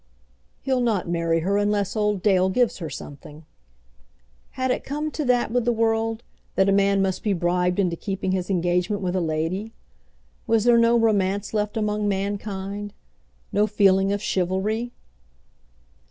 "He'll not marry her unless old Dale gives her something." Had it come to that with the world, that a man must be bribed into keeping his engagement with a lady? Was there no romance left among mankind, no feeling of chivalry?